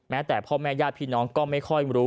แม้แต่พ่อแม่ย่าพี่น้องก็ไม่ค่อยรู้